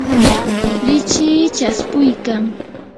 lichiy chaspuykan.